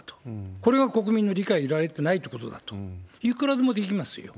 これが国民の理解得られてないということだと、いくらでもできますよ。